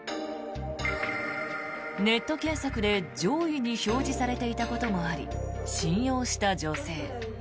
ネット検索で上位に表示されていたこともあり信用した女性。